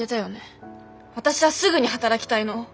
私はすぐに働きたいの。